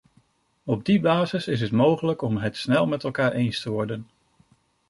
Op die basis is het mogelijk om het snel met elkaar eens te worden.